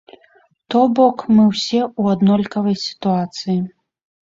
То бок, мы ўсе ў аднолькавай сітуацыі.